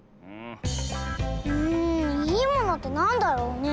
んいいものってなんだろうねえ？